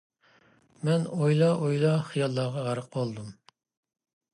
مەن ئويلا— ئويلا خىياللارغا غەرق بولدۇم.